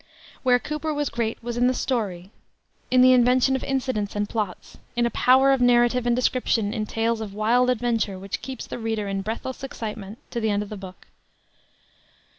Where Cooper was great was in the story, in the invention of incidents and plots, in a power of narrative and description in tales of wild adventure which keeps the reader in breathless excitement to the end of the book.